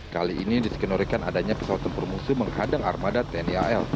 kali ini diskenorikan adanya pesawat tempur musuh menghadang armada tni al